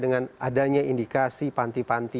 dengan adanya indikasi panti panti